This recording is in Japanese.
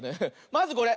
まずこれ。